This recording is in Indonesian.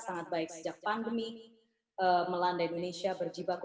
sangat baik sejak pandemi melanda indonesia berjibaku